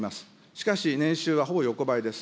しかし、年収はほぼ横ばいです。